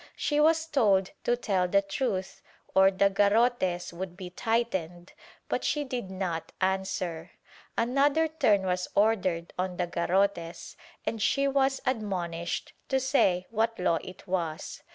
She was told to tell the truth or the garrotes would be tightened but she did not answer. Another turn was ordered on the garrotes and she was admonished to say what Law it was.